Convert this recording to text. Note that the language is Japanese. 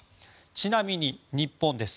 ちなみに、日本です。